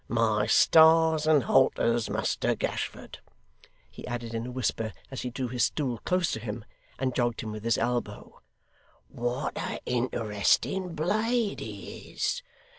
My stars and halters, Muster Gashford,' he added in a whisper, as he drew his stool close to him and jogged him with his elbow, 'what a interesting blade he is!